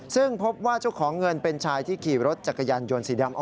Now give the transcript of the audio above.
ซึ่งพบว่าเจ้าของเงินเป็นชายที่ขี่รถจักรยานยนต์สีดำ